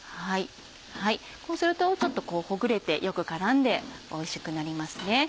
こうするとちょっとほぐれてよく絡んでおいしくなりますね。